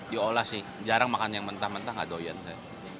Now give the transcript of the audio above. diolah sih jarang makan yang mentah mentah gado gado